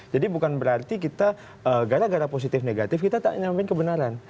jadi bukan berarti kita gara gara positif negatif kita tak nyampein kebenaran